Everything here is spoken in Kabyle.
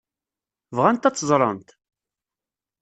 Bɣant ad tt-ẓrent?